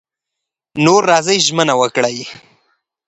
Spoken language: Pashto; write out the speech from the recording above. نو راځئ ژمنه وکړو.